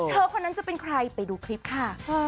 คนนั้นจะเป็นใครไปดูคลิปค่ะ